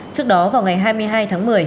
trước đó vào ngày hai mươi hai tháng một mươi